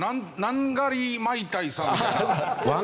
ナンガリマイタイさんみたいな。